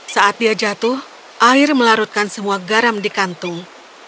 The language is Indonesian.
saat dia jatuh air melarutkan semua garam di kantung